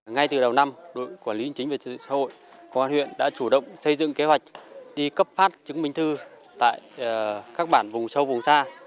ngay từ đầu năm đội quản lý chính về chứng minh xã hội công an huyện đã chủ động xây dựng kế hoạch đi cấp phát chứng minh thư tại các bản vùng sâu vùng xa